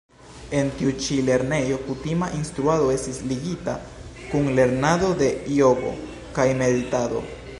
En tiu ĉi lernejo kutima instruado estis ligita kun lernado de jogo kaj meditado.